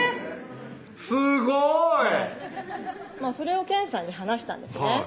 すごい！それを憲さんに話したんですね